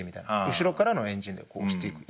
後ろからのエンジンで押していくイメージなので。